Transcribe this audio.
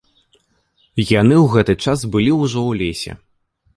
Яны ў гэты час былі ўжо ў лесе.